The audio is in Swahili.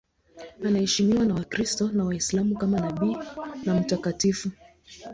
Anaheshimiwa na Wakristo na Waislamu kama nabii na mtakatifu.